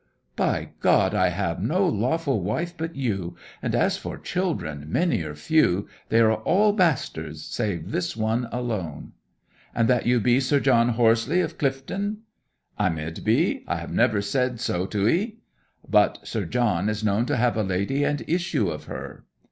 'By God! I have no lawful wife but you; and as for children, many or few, they are all bastards, save this one alone!' 'And that you be Sir John Horseleigh of Clyfton?' 'I mid be. I have never said so to 'ee.' 'But Sir John is known to have a lady, and issue of her!'